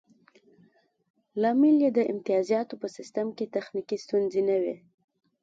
لامل یې د امتیازاتو په سیستم کې تخنیکي ستونزې نه وې